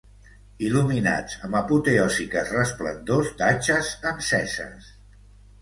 Il·luminats amb apoteòsiques resplendors d'atxes enceses